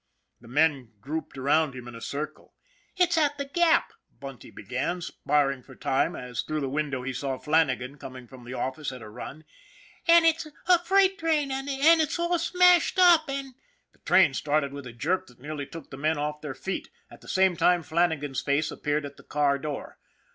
The men grouped around him in a circle. " It's at the Gap," Bunty began, sparring for time as through the window he saw Flannagan coming from the office at a run. " And it's a freight train, and' and it's all smashed up, and =" 34 ON THE IRON AT BIG CLOUD The train started with a jerk that nearly took the men off their feet. At the same time Flannagan's face appeared at the car door.